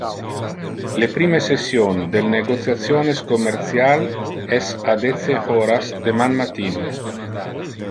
Le prime session del negotiationes commercial es a dece horas deman matino.